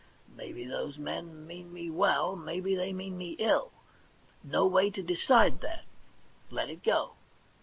Maybe those men mean me well, maybe they mean me ill; no way to decide that — let it go.